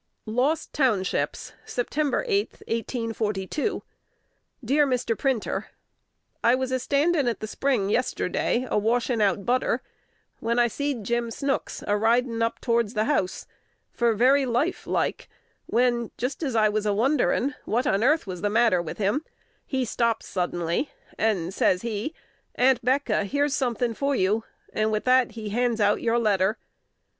Lost Townships, Sept. 8,1842. Dear Mr. Printer, I was a standin' at the spring yesterday a washin' out butter, when I seed Jim Snooks a ridin' up towards the house for very life like, when, jist as I was a wonderin' what on airth was the matter with him, he stops suddenly, and ses he, "Aunt'Becca, here's somethin' for you;" and with that he hands out your letter.